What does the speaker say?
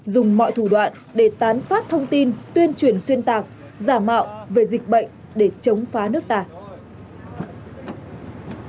dùng mọi thủ đoạn để tán phát thông tin tuyên truyền xuyên tạc giả mạo về dịch bệnh để chống phá nước ta